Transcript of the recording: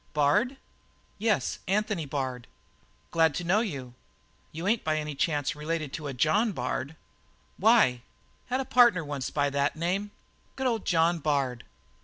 "Bard?" "Yes. Anthony Bard." "Glad to know you. You ain't by any chance related to a John Bard?" "Why?" "Had a partner once by that name. Good old John Bard!"